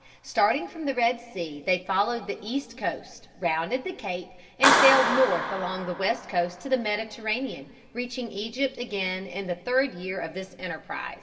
Starting from the Red Sea, they followed the east coast, rounded the Cape, and sailed north along the west coast to the Mediterranean, reaching Egypt again in the third year of this enterprise.